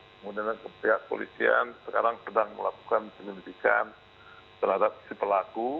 kemudian pihak polisian sekarang sedang melakukan penyelidikan terhadap si pelaku